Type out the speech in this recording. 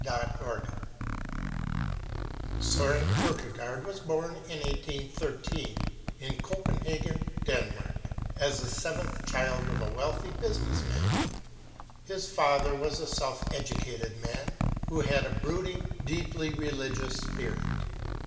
Bellinger S°ren Kierkegaard was born in 1813, in Copenhagen, Denmark, as the seventh child of a wealthy businessman. His father was a self educated man who had a brooding, deeply religious spirit.